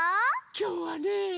きょうはね。